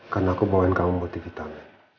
karena aku mau mengenang kamu buat hikitar